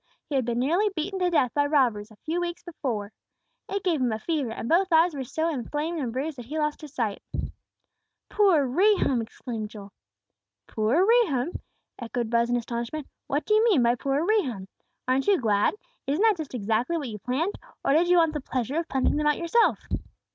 He had been nearly beaten to death by robbers a few weeks before. It gave him a fever, and both eyes were so inflamed and bruised that he lost his sight." "Poor Rehum!" exclaimed Joel. "Poor Rehum!" echoed Buz, in astonishment. "What do you mean by poor Rehum? Aren't you glad? Isn't that just exactly what you planned; or did you want the pleasure of punching them out yourself?"